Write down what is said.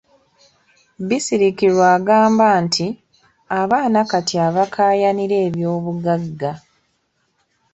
Bisirikirwa agamba nti abaana kati abakaayanira ebyobugagga.